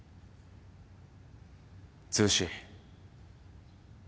剛。